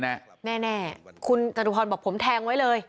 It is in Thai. แน่คุณจตุพรบอกผมแทงไว้เลย